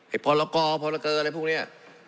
ไอ้พลละกอพลละเกออะไรพวกนี้